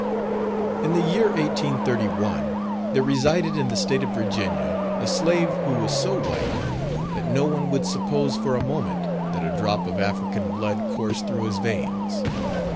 In the year 1831, there resided in the state of Virginia, a slave who was so white, that no one would suppose for a moment that a drop of African blood coursed through his veins.